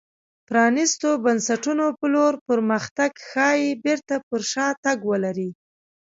پرانېستو بنسټونو په لور پرمختګ ښايي بېرته پر شا تګ ولري.